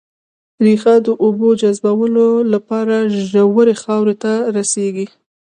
ريښه د اوبو جذبولو لپاره ژورې خاورې ته رسېږي